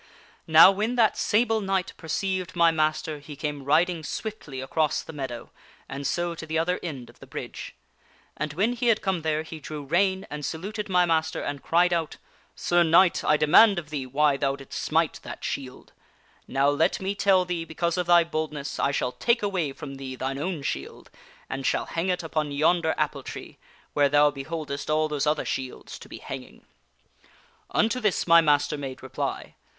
" Now when that Sable Knight perceived my master he came riding swiftly across the meadow and so to the other end of the bridge. And when he had come there he drew rein and saluted my master and cried out, * Sir Knight, I demand of thee why thou didst smite that shield. Now let , me tell thee, because of thy boldness, I shall take away from The page telleth . J . J of the Sable thee thine own shield, and shall hang it upon yonder apple Knigkt. tree ^ w here thou beholdest all those other shields to be hang ing.' Unto this my master made reply.